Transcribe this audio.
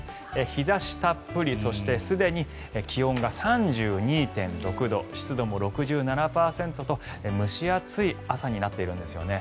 日差したっぷりそしてすでに気温が３２．６度湿度も６７％と蒸し暑い朝になっているんですね。